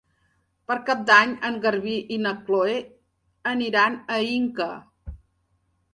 Per Cap d'Any en Garbí i na Chloé aniran a Inca.